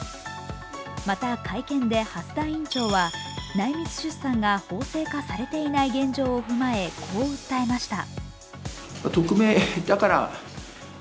また、会見で蓮田院長は内密出産が法制化されていない現状を踏まえ、こう訴えました。